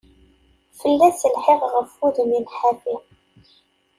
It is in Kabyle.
Fell-as lḥiɣ ɣef udmim ḥafi.